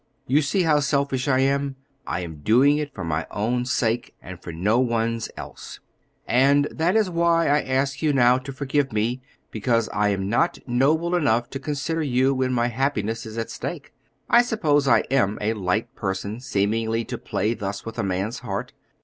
You see how selfish I am; I am doing it for my own sake, and for no one's else. And that is why I ask you now to forgive me, because I am not noble enough to consider you when my happiness is at stake. I suppose I am a light person seemingly to play thus with a man's heart.